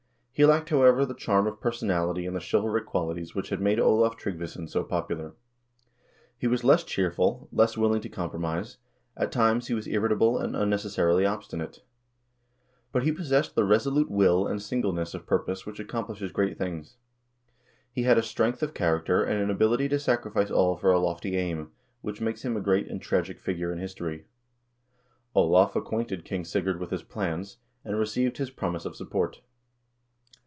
He lacked, however, the charm of personality and the chivalric qualities which had made Olav Tryggvason so popular. He was less cheerful, less willing to compromise ; at times he was irritable and unnecessarily obstinate; but he possessed the resolute will and singleness of purpose which accomplishes great things. He had a strength of character and an ability to sacrifice all for a lofty aim, which makes him a great and tragic figure in history. Olav acquainted King Sigurd with his plans, and received his promise of support.